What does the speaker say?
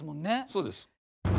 そうです。